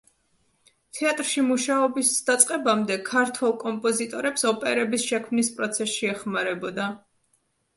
თეატრში მუშაობის დაწყებამდე ქართველ კომპოზიტორებს ოპერების შექმნის პროცესში ეხმარებოდა.